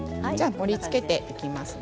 盛りつけていきますね。